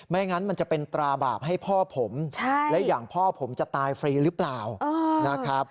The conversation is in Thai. งั้นมันจะเป็นตราบาปให้พ่อผมและอย่างพ่อผมจะตายฟรีหรือเปล่านะครับ